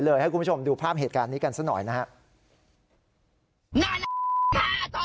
ให้คุณผู้ชมดูภาพเหตุการณ์นี้กันซะหน่อยนะครับ